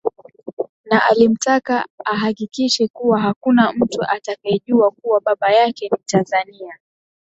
Na alimtaka ahakikishe kuwa hakuna mtu atakayejua kuwa baba yake ni mtanzania